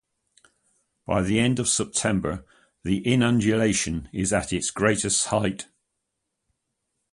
By the end of September, the inundation is at its greatest height.